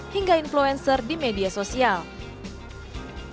hingga perusahaan yang berbisnis di industri ini